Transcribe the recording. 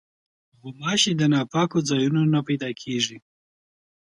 غوماشې د ناپاکو ځایونو نه پیدا کېږي.